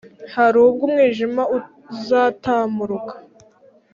Harubw’ umwijim’ uzatamuruka